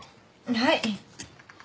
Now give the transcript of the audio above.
はい。